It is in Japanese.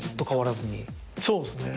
そうですね